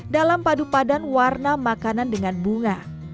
dalam padupadan warna makanan dengan bunga